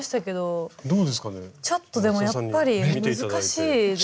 ちょっとでもやっぱり難しいですね。